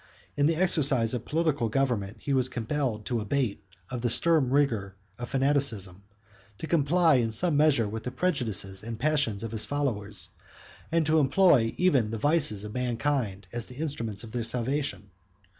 In the exercise of political government, he was compelled to abate of the stern rigor of fanaticism, to comply in some measure with the prejudices and passions of his followers, and to employ even the vices of mankind as the instruments of their salvation.